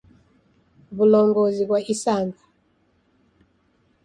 W'ulongozi ghwa isanga.